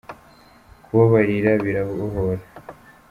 kubabarira birabohora.